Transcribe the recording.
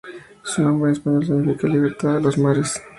Su nombre en español significa "Libertad de los Mares".